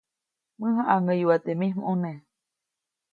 Mäjaʼaŋʼäyuʼa teʼ mij ʼmuneʼ.